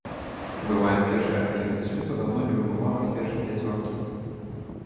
Былая першая ракетка свету даўно не выбывала з першай пяцёркі.